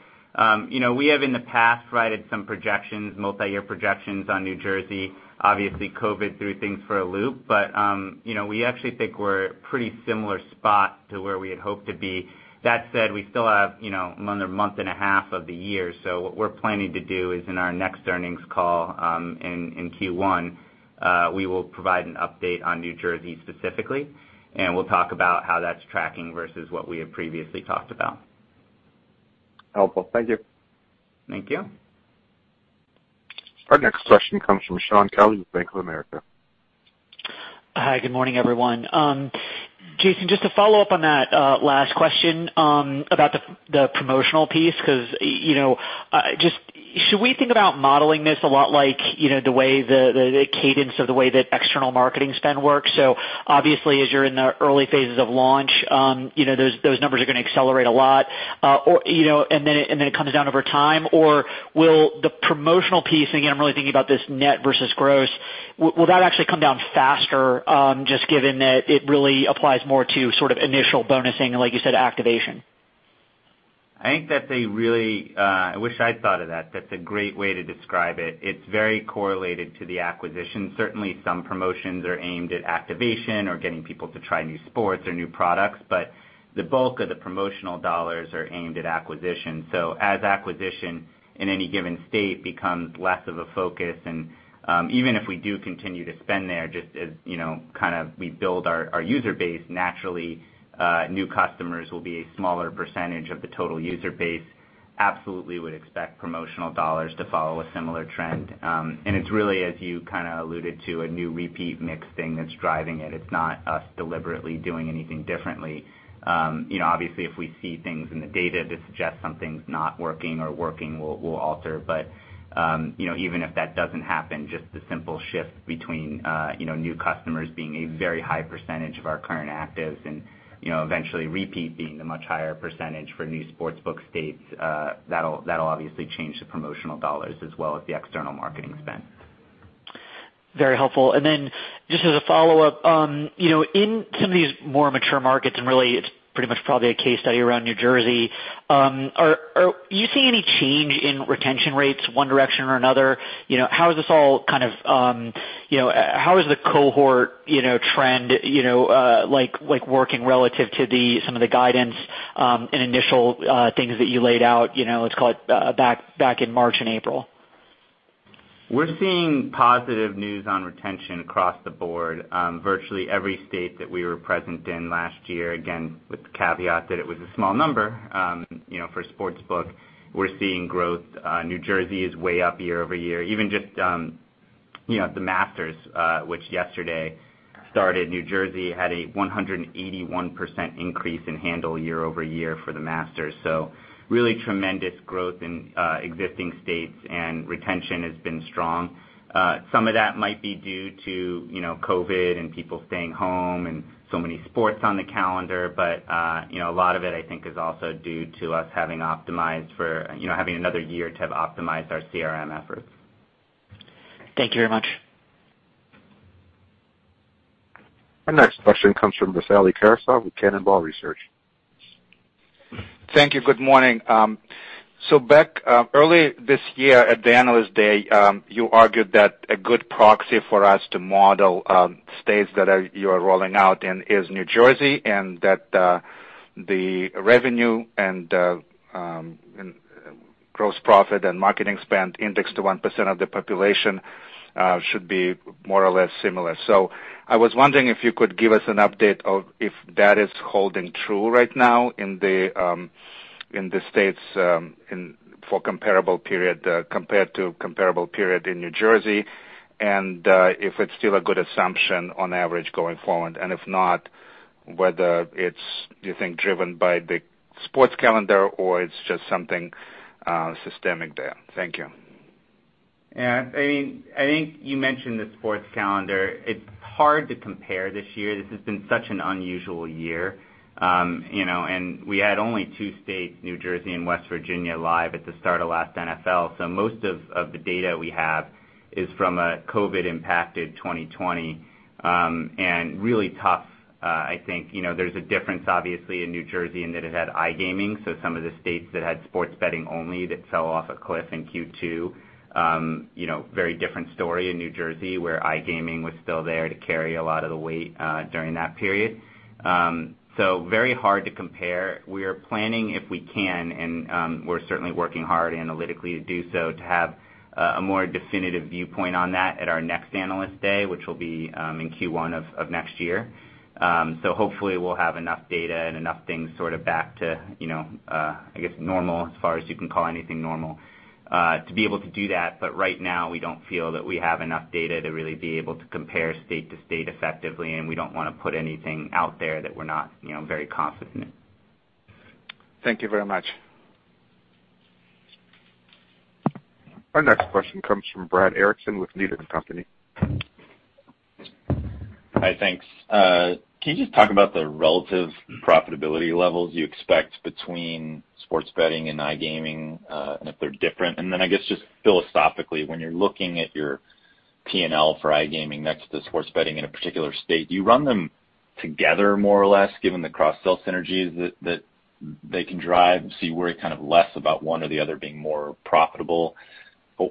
You know, we have in the past provided some projections, multi-year projections on New Jersey. Obviously, COVID threw things for a loop, but, you know, we actually think we're at a pretty similar spot to where we had hoped to be. That said, we still have, you know, another month and a half of the year. What we're planning to do is in our next earnings call, in Q1, we will provide an update on New Jersey specifically, and we'll talk about how that's tracking versus what we had previously talked about. Helpful. Thank you. Thank you. Our next question comes from Shaun Kelley with Bank of America. Hi, good morning, everyone. Jason, just to follow up on that last question about the promotional piece, 'cause you know, just should we think about modeling this a lot like, you know, the way the cadence of the way that external marketing spend works? Obviously, as you're in the early phases of launch, you know, those numbers are gonna accelerate a lot. Or, you know, and then it comes down over time, or will the promotional piece, again, I'm really thinking about this net versus gross, will that actually come down faster, just given that it really applies more to sort of initial bonusing and, like you said, activation? I think that they really, I wish I'd thought of that. That's a great way to describe it. It's very correlated to the acquisition. Certainly, some promotions are aimed at activation or getting people to try new sports or new products, but the bulk of the promotional dollars are aimed at acquisition. As acquisition in any given state becomes less of a focus and, even if we do continue to spend there, just as, you know, kind of we build our user base, naturally, new customers will be a smaller percentage of the total user base. Absolutely would expect promotional dollars to follow a similar trend. It's really, as you kinda alluded to, a new repeat mix thing that's driving it. It's not us deliberately doing anything differently. You know, obviously, if we see things in the data that suggest something's not working or working, we'll alter. Even if that doesn't happen, just the simple shift between, you know, new customers being a very high percentage of our current actives and, you know, eventually repeat being the much higher percentage for new sportsbook states, that'll obviously change the promotional dollars as well as the external marketing spend. Very helpful. Then just as a follow-up, you know, in some of these more mature markets, and really it's pretty much probably a case study around New Jersey, do you see any change in retention rates one direction or another? You know, how is this all kind of, you know, how is the cohort, you know, trend, you know, like working relative to the some of the guidance, and initial things that you laid out, you know, let's call it back in March and April? We're seeing positive news on retention across the board. Virtually every state that we were present in last year, again, with the caveat that it was a small number, you know, for sports book, we're seeing growth. New Jersey is way up year-over-year. Even just, you know, at The Masters, which yesterday started, New Jersey had a 181% increase in handle year-over-year for The Masters. Really tremendous growth in existing states, and retention has been strong. Some of that might be due to, you know, COVID and people staying home and so many sports on the calendar. A lot of it, I think, is also due to us having optimized for, you know, having another year to have optimized our CRM efforts. Thank you very much. Our next question comes from Vasily Karasyov with Cannonball Research. Thank you. Good morning. Back, early this year at the Analyst Day, you argued that a good proxy for us to model states that you are rolling out in is New Jersey, and that the revenue and gross profit and marketing spend indexed to one percent of the population should be more or less similar. I was wondering if you could give us an update of if that is holding true right now in the states for comparable period compared to comparable period in New Jersey, and if it's still a good assumption on average going forward. If not, whether it's, you think, driven by the sports calendar or it's just something systemic there. Thank you. Yeah. I mean, I think you mentioned the sports calendar. It's hard to compare this year. This has been such an unusual year. You know, we had only two states, New Jersey and West Virginia, live at the start of last NFL. Most of the data we have is from a COVID-impacted 2020. Really tough, I think. You know, there's a difference, obviously, in New Jersey in that it had iGaming, so some of the states that had sports betting only that fell off a cliff in Q2. You know, very different story in New Jersey, where iGaming was still there to carry a lot of the weight, during that period. Very hard to compare. We are planning, if we can, and, we're certainly working hard analytically to do so, to have, a more definitive viewpoint on that at our next Analyst Day, which will be, in Q1 of next year. Hopefully we'll have enough data and enough things sort of back to, you know, I guess, normal as far as you can call anything normal, to be able to do that. Right now, we don't feel that we have enough data to really be able to compare state to state effectively, and we don't wanna put anything out there that we're not, you know, very confident in. Thank you very much. Our next question comes from Brad Erickson with Needham & Company. Hi. Thanks. can you just talk about the relative profitability levels you expect between sports betting and iGaming, and if they're different? I guess just philosophically, when you're looking at your P&L for iGaming next to sports betting in a particular state, do you run them together more or less, given the cross-sell synergies that they can drive, so you worry kind of less about one or the other being more profitable,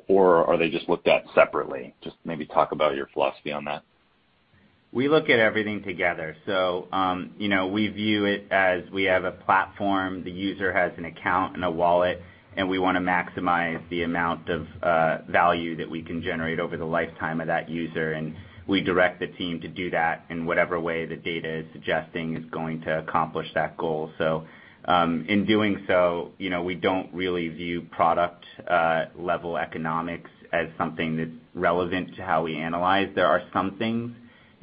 or are they just looked at separately? Just maybe talk about your philosophy on that. We look at everything together. You know, we view it as we have a platform, the user has an account and a wallet, and we wanna maximize the amount of value that we can generate over the lifetime of that user. We direct the team to do that in whatever way the data is suggesting is going to accomplish that goal. In doing so, you know, we don't really view product level economics as something that's relevant to how we analyze. There are some things,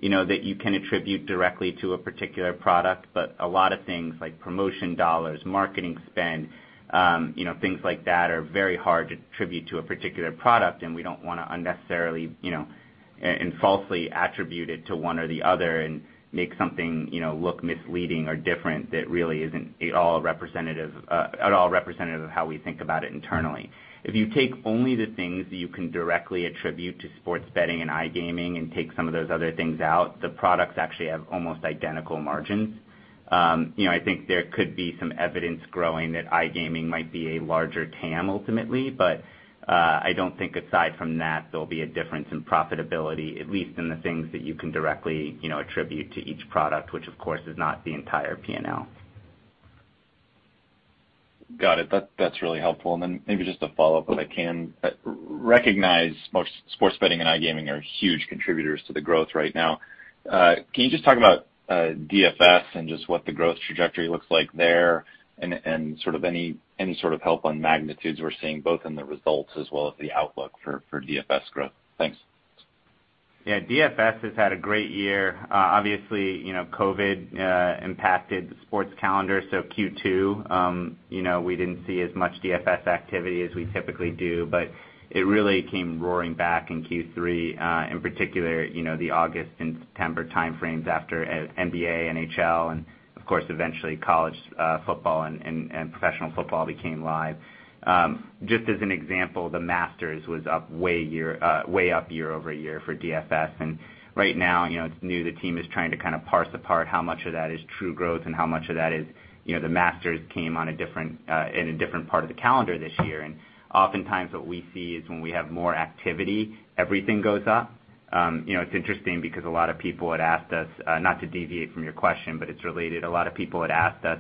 you know, that you can attribute directly to a particular product, but a lot of things like promotion dollars, marketing spend, you know, things like that are very hard to attribute to a particular product, and we don't wanna unnecessarily, you know, and falsely attribute it to one or the other and make something, you know, look misleading or different that really isn't at all representative of how we think about it internally. If you take only the things that you can directly attribute to sports betting and iGaming and take some of those other things out, the products actually have almost identical margins. You know, I think there could be some evidence growing that iGaming might be a larger TAM ultimately, but, I don't think aside from that, there'll be a difference in profitability, at least in the things that you can directly, you know, attribute to each product, which of course is not the entire P&L. Got it. That's really helpful. Maybe just a follow-up, if I can. Recognize most sports betting and iGaming are huge contributors to the growth right now. Can you just talk about DFS and just what the growth trajectory looks like there and sort of any sort of help on magnitudes we're seeing both in the results as well as the outlook for DFS growth? Thanks. Yeah. DFS has had a great year. Obviously, you know, COVID impacted sports calendar. Q2, you know, we didn't see as much DFS activity as we typically do, but it really came roaring back in Q3, in particular, you know, the August and September time frames after NBA, NHL, and of course, eventually college football and professional football became live. Just as an example, The Masters was up way up year-over-year for DFS. Right now, you know, it's new. The team is trying to kind of parse apart how much of that is true growth and how much of that is, you know, The Masters came on a different, in a different part of the calendar this year. Oftentimes, what we see is when we have more activity, everything goes up. you know, it's interesting because a lot of people had asked us, not to deviate from your question, but it's related. A lot of people had asked us,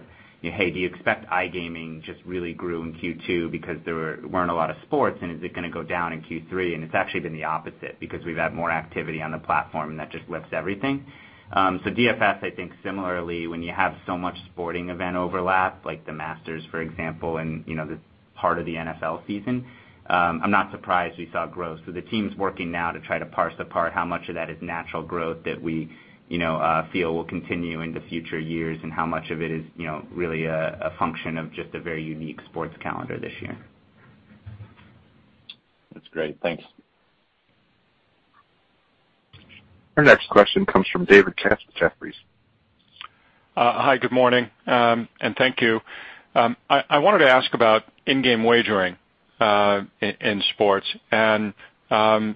"Hey, do you expect iGaming just really grew in Q2 because there weren't a lot of sports, and is it gonna go down in Q3?" It's actually been the opposite because we've had more activity on the platform, and that just lifts everything. DFS, I think similarly, when you have so much sporting event overlap, like The Masters, for example, and you know, this part of the NFL season, I'm not surprised we saw growth. The team's working now to try to parse apart how much of that is natural growth that we, you know, feel will continue into future years and how much of it is, you know, really a function of just a very unique sports calendar this year. That's great. Thanks. Our next question comes from David Katz with Jefferies. hi, good morning, and thank you. I wanted to ask about in-game wagering in sports. you know,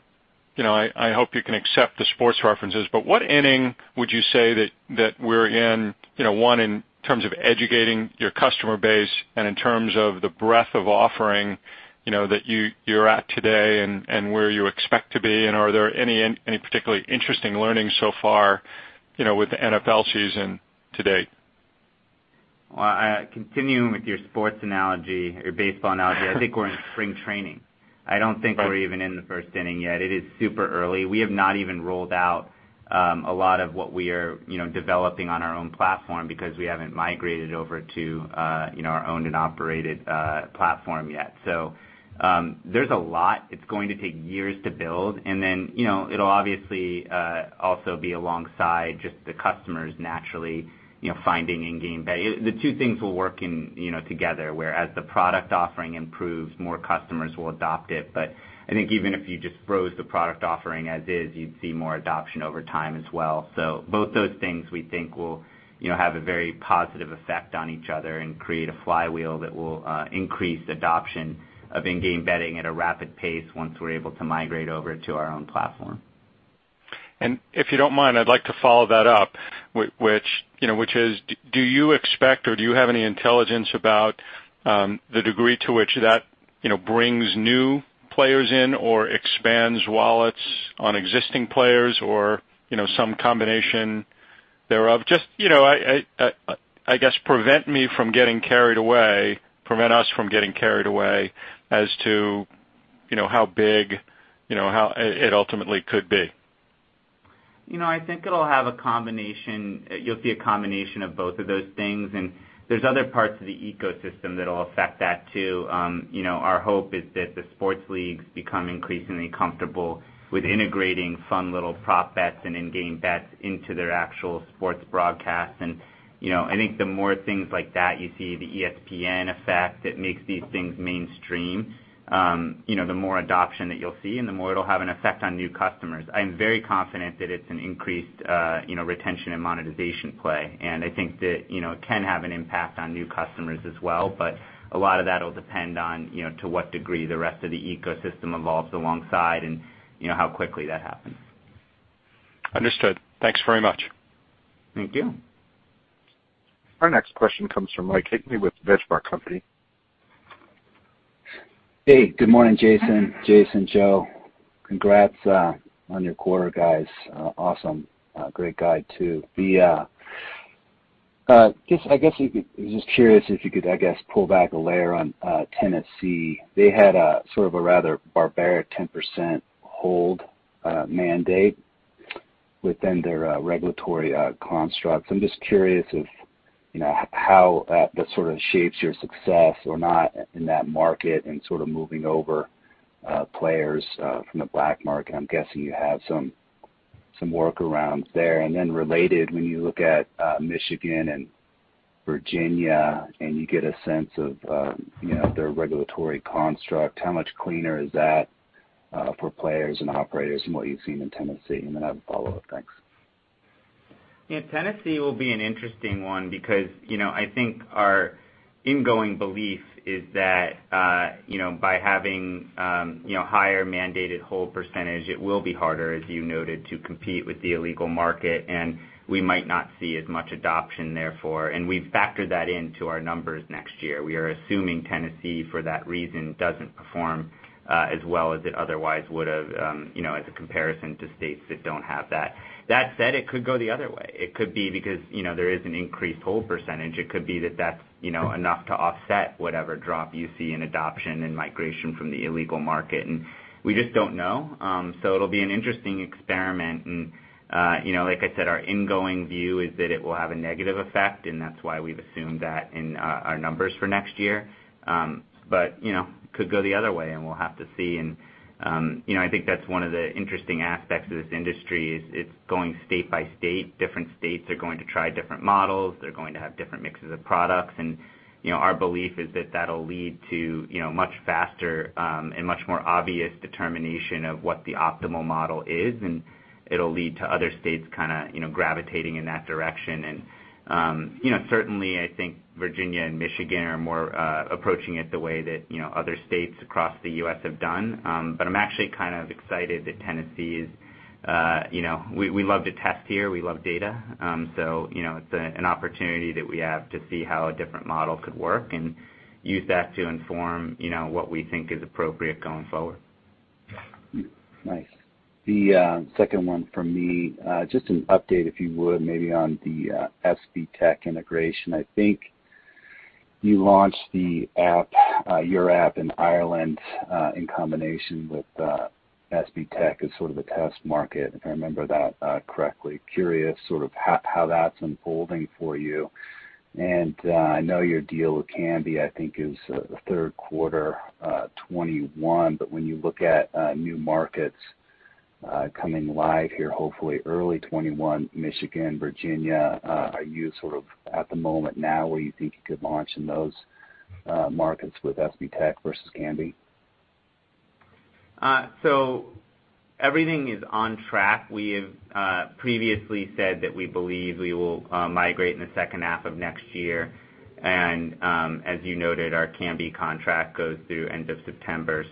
I hope you can accept the sports references, but what inning would you say that we're in, you know, one, in terms of educating your customer base and in terms of the breadth of offering, you know, that you're at today and where you expect to be? are there any particularly interesting learnings so far, you know, with the NFL season to date? Well, continuing with your sports analogy or baseball analogy, I think we're in spring training. I don't think we're even in the first inning yet. It is super early. We have not even rolled out, a lot of what we are, you know, developing on our own platform because we haven't migrated over to, you know, our owned and operated, platform yet. There's a lot. It's going to take years to build, and then, you know, it'll obviously, also be alongside just the customers naturally, you know, finding in-game bet. The two things will work in, you know, together, where as the product offering improves, more customers will adopt it. I think even if you just froze the product offering as is, you'd see more adoption over time as well. Both those things, we think will, you know, have a very positive effect on each other and create a flywheel that will increase adoption of in-game betting at a rapid pace once we're able to migrate over to our own platform. if you don't mind, I'd like to follow that up which, you know, which is do you expect or do you have any intelligence about, the degree to which that, you know, brings new players in or expands wallets on existing players or, you know, some combination thereof? Just, you know, I guess prevent me from getting carried away, prevent us from getting carried away as to, you know, how big, you know, how it ultimately could be. You know, I think it'll have a combination. You'll see a combination of both of those things. There's other parts of the ecosystem that'll affect that too. You know, our hope is that the sports leagues become increasingly comfortable with integrating fun little prop bets and in-game bets into their actual sports broadcasts. You know, I think the more things like that you see, the ESPN effect that makes these things mainstream, you know, the more adoption that you'll see and the more it'll have an effect on new customers. I am very confident that it's an increased, you know, retention and monetization play, and I think that, you know, it can have an impact on new customers as well. A lot of that will depend on, you know, to what degree the rest of the ecosystem evolves alongside and, you know, how quickly that happens. Understood. Thanks very much. Thank you. Our next question comes from Mike Hickey with Benchmark Company. Hey, good morning, Jason, Jason Park. Congrats on your quarter, guys. Awesome. Great guide too. I was just curious if you could, I guess, pull back a layer on Tennessee. They had a sort of a rather barbaric 10% hold mandate within their regulatory constructs. I'm just curious if, you know, that sort of shapes your success or not in that market and sort of moving over players from the black market. I'm guessing you have some workarounds there. Related, when you look at Michigan and Virginia and you get a sense of, you know, their regulatory construct, how much cleaner is that for players and operators from what you've seen in Tennessee? I have a follow-up. Thanks. Yeah. Tennessee will be an interesting one because, you know, I think our ongoing belief is that, you know, by having, you know, higher mandated hold percentage, it will be harder, as you noted, to compete with the illegal market, and we might not see as much adoption therefore. We've factored that into our numbers next year. We are assuming Tennessee, for that reason, doesn't perform, as well as it otherwise would have, you know, as a comparison to states that don't have that. That said, it could go the other way. It could be because, you know, there is an increased hold percentage. It could be that that's, you know, enough to offset whatever drop you see in adoption and migration from the illegal market. We just don't know. It'll be an interesting experiment. you know, like I said, our ongoing view is that it will have a negative effect, and that's why we've assumed that in our numbers for next year. you know, could go the other way, and we'll have to see. I think that's one of the interesting aspects of this industry is it's going state by state. Different states are going to try different models. They're going to have different mixes of products. you know, our belief is that that'll lead to, you know, much faster, and much more obvious determination of what the optimal model is, and it'll lead to other states kinda, you know, gravitating in that direction. certainly I think Virginia and Michigan are more, approaching it the way that, you know, other states across the U.S. have done. I'm actually kind of excited that Tennessee is, you know, we love to test here. We love data. You know, it's an opportunity that we have to see how a different model could work and use that to inform, you know, what we think is appropriate going forward. Nice. The second one from me, just an update, if you would, maybe on the SBTech integration. I think you launched the app, your app in Ireland, in combination with SBTech as sort of a test market, if I remember that correctly. Curious sort of how that's unfolding for you. I know your deal with Kambi, I think, is the third quarter 2021. When you look at new markets coming live here, hopefully early 2021, Michigan, Virginia, are you sort of at the moment now where you think you could launch in those markets with SBTech versus Kambi? Everything is on track. We have previously said that we believe we will migrate in the second half of next year. As you noted, our Kambi contract goes through end of September.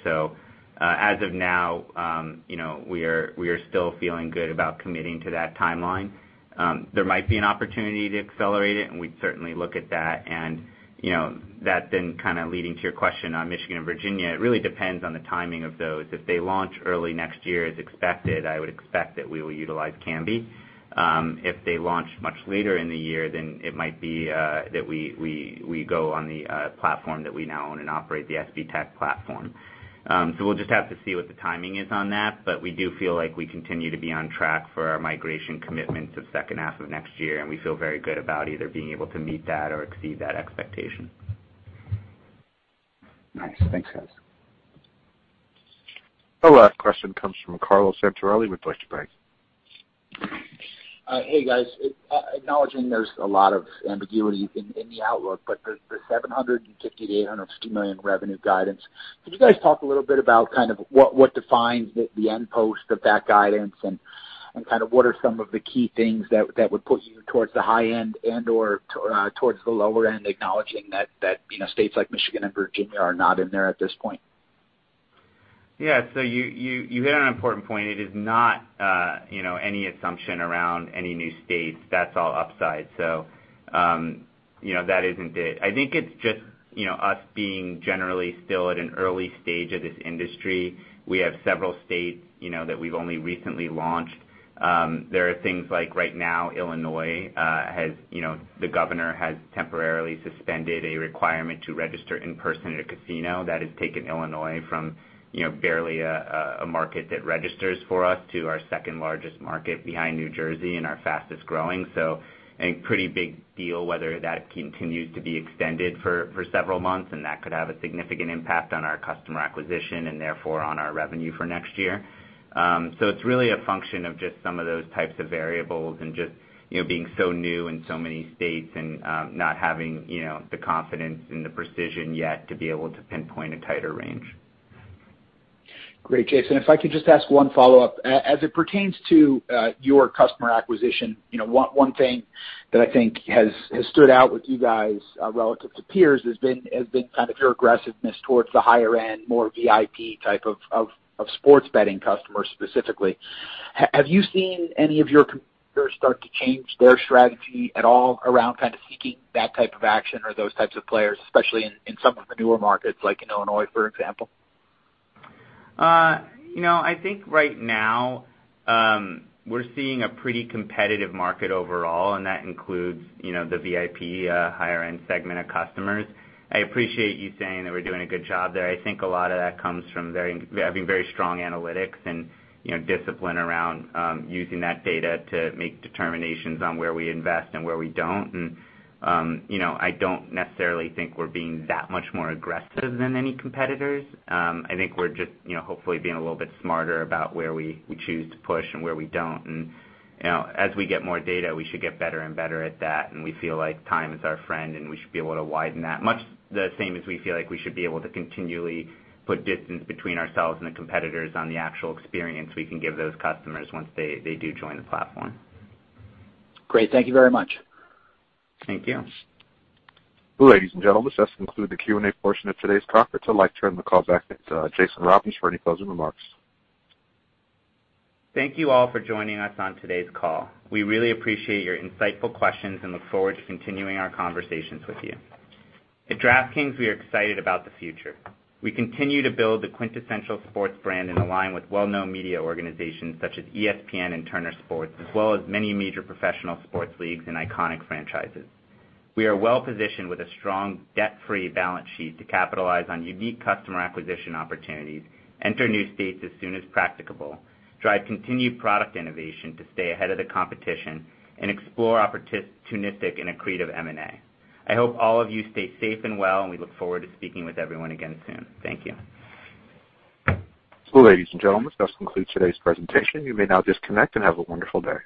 As of now, you know, we are still feeling good about committing to that timeline. There might be an opportunity to accelerate it, and we'd certainly look at that. You know, that then kinda leading to your question on Michigan and Virginia, it really depends on the timing of those. If they launch early next year as expected, I would expect that we will utilize Kambi. If they launch much later in the year, then it might be that we go on the platform that we now own and operate, the SBTech platform. We'll just have to see what the timing is on that, but we do feel like we continue to be on track for our migration commitment to second half of next year, and we feel very good about either being able to meet that or exceed that expectation. Nice. Thanks, guys. Our last question comes from Carlo Santarelli with Deutsche Bank. Hey, guys. Acknowledging there's a lot of ambiguity in the outlook, but the $750 million-$850 million revenue guidance, could you guys talk a little bit about kind of what defines the end post of that guidance and kind of what are some of the key things that would put you towards the high end and/or towards the lower end, acknowledging that, you know, states like Michigan and Virginia are not in there at this point? You hit on an important point. It is not, you know, any assumption around any new states. That's all upside. That isn't it. I think it's just, you know, us being generally still at an early stage of this industry. We have several states, you know, that we've only recently launched. There are things like right now Illinois has, you know, the governor has temporarily suspended a requirement to register in person at a casino. That has taken Illinois from, you know, barely a market that registers for us to our second-largest market behind New Jersey and our fastest-growing. A pretty big deal whether that continues to be extended for several months, and that could have a significant impact on our customer acquisition and therefore on our revenue for next year. it's really a function of just some of those types of variables and just, you know, being so new in so many states and, not having, you know, the confidence and the precision yet to be able to pinpoint a tighter range. Great, Jason. If I could just ask one follow-up. As it pertains to your customer acquisition, you know, one thing that I think has stood out with you guys relative to peers has been kind of your aggressiveness towards the higher end, more VIP type of sports betting customers specifically. Have you seen any of your competitors start to change their strategy at all around kind of seeking that type of action or those types of players, especially in some of the newer markets like in Illinois, for example? you know, I think right now, we're seeing a pretty competitive market overall, and that includes, you know, the VIP, higher end segment of customers. I appreciate you saying that we're doing a good job there. I think a lot of that comes from having very strong analytics and, you know, discipline around using that data to make determinations on where we invest and where we don't. you know, I don't necessarily think we're being that much more aggressive than any competitors. I think we're just, you know, hopefully being a little bit smarter about where we choose to push and where we don't. You know, as we get more data, we should get better and better at that, and we feel like time is our friend, and we should be able to widen that, much the same as we feel like we should be able to continually put distance between ourselves and the competitors on the actual experience we can give those customers once they do join the platform. Great. Thank you very much. Thank you. Ladies and gentlemen, this does conclude the Q&A portion of today's conference. I'd like to turn the call back to Jason Robins for any closing remarks. Thank you all for joining us on today's call. We really appreciate your insightful questions and look forward to continuing our conversations with you. At DraftKings, we are excited about the future. We continue to build the quintessential sports brand and align with well-known media organizations such as ESPN and Turner Sports, as well as many major professional sports leagues and iconic franchises. We are well-positioned with a strong debt-free balance sheet to capitalize on unique customer acquisition opportunities, enter new states as soon as practicable, drive continued product innovation to stay ahead of the competition, and explore opportunistic and accretive M&A. I hope all of you stay safe and well, and we look forward to speaking with everyone again soon. Thank you. Ladies and gentlemen, this concludes today's presentation. You may now disconnect and have a wonderful day.